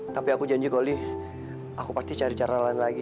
tapi aku janji golly aku pasti cari cara lain lagi